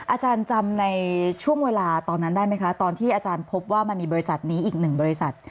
อาจารย์จำในช่วงเวลาตอนนั้นได้ไหมคะตอนที่อาจารย์พบว่ามันมีบริษัทนี้อีกหนึ่งบริษัท